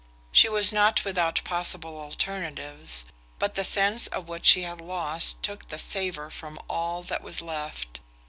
She was not without possible alternatives; but the sense of what she had lost took the savour from all that was left.